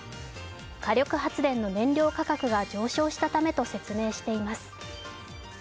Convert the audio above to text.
火力電力の燃料価格が上昇したためと説明しています。